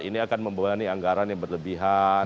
ini akan membebani anggaran yang berlebihan